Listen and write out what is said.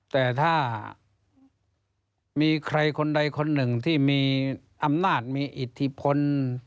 แต่ถ้ามีใครคนใดคนหนึ่งที่มีอำนาจมีอิทธิพล